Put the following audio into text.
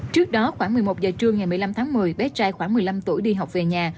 trước đó khoảng một mươi một giờ trưa ngày một mươi năm tháng một mươi bé trai khoảng một mươi năm tuổi đi học về nhà